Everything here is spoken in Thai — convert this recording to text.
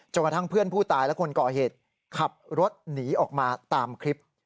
กระทั่งเพื่อนผู้ตายและคนก่อเหตุขับรถหนีออกมาตามคลิป